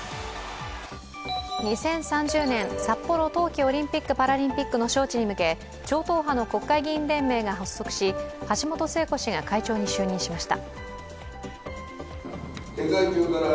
２０３０年札幌冬季オリンピック・パラリンピックの招致に向け超党派の国会議員連盟が発足し、橋本聖子氏が会長に就任しました。